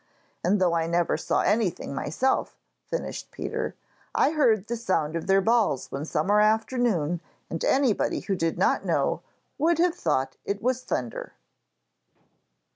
And though I never saw anything myself,' finished Peter, 'I heard the sound of their balls one summer afternoon, and anybody who did not know, would have thought it was thunder.'